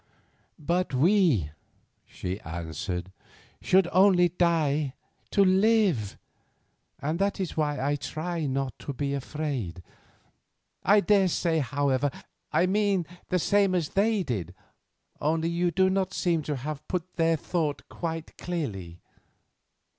"But we," she answered, "should only die to live, and that is why I try not to be afraid. I daresay, however, I mean the same as they did, only you do not seem to have put their thought quite clearly."